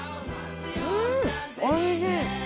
うんおいしい。